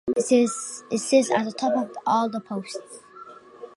It says it at the top of all the posts.